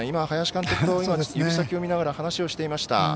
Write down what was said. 林監督と指先を見ながら話をしていました。